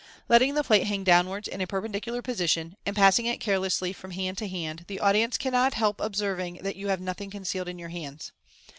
Letting the plate hang downwards in a perpendicular position, and passing it carelessly from hand to hand, the audience cannot help observing that you have nothing con cealed in your hands.